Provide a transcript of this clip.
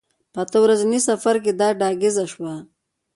په اته ورځني سفر کې دا ډاګیزه شوه.